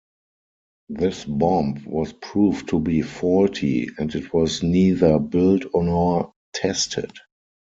This bomb was proved to be faulty, and it was neither built nor tested.